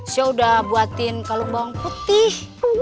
saya sudah buatin kalung bawang putih